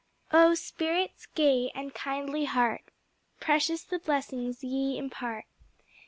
"O spirits gay, and kindly heart! Precious the blessings ye impart!"